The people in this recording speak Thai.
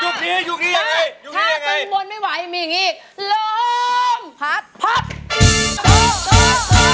ถ้าตรงบนไม่ไหวมีอย่างนี้